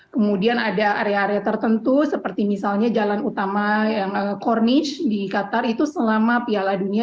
kemudian ada area area tertentu seperti misalnya jalan utama yang cornich di qatar itu selama piala dunia